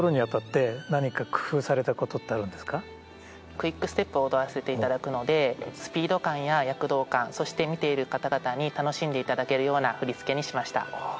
クイックステップを踊らせていただくのでスピード感や躍動感そして見ている方々に楽しんでいただけるような振り付けにしました。